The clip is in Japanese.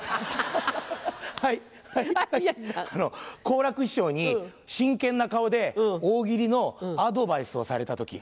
好楽師匠に真剣な顔で大喜利のアドバイスをされた時。